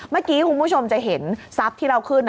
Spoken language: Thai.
เมื่อกี้คุณผู้ชมจะเห็นทรัพย์ที่เราขึ้น